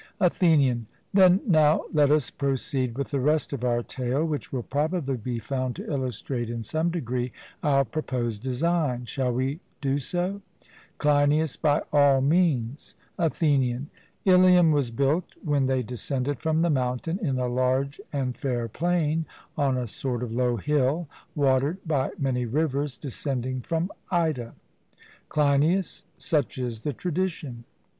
ATHENIAN: Then now let us proceed with the rest of our tale, which will probably be found to illustrate in some degree our proposed design: Shall we do so? CLEINIAS: By all means. ATHENIAN: Ilium was built, when they descended from the mountain, in a large and fair plain, on a sort of low hill, watered by many rivers descending from Ida. CLEINIAS: Such is the tradition.